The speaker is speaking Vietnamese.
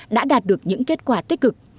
đã đạt được những kết quả tích cực